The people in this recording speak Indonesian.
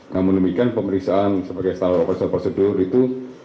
namun demikian pemeriksaan sebagai standar operasional prosedur itu